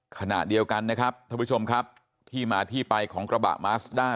ขณะเดียวกันนะครับท่านผู้ชมครับที่มาที่ไปของกระบะมาสด้า